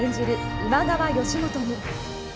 今川義元に。